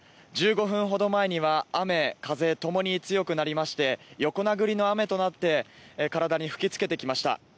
１５分ほど前には雨、風ともに強くなりまして横殴りの雨となって体に吹きつけてきました。